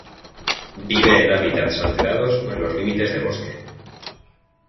Vive en hábitats alterados o en los límites de bosque.